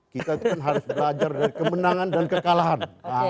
kita itu kan harus belajar dari kemenangan dan kekalahan